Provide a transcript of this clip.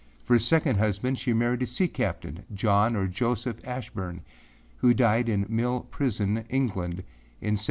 For a second husband she married a sea captain, John or Joseph Ashburne, who died in Mill Prison, England, in 1782.